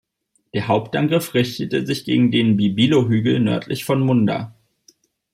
Der Hauptangriff richtete sich gegen den Bibilo-Hügel nördlich von Munda.